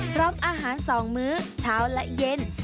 พร้อมอาหาร๒มื้อเช้าและเย็น